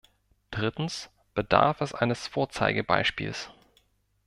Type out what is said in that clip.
Drittens bedarf es eines Vorzeigebeispiels.